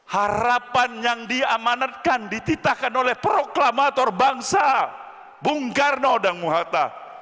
harapan yang diamanatkan dititahkan oleh proklamator bangsa bung karno dan muhata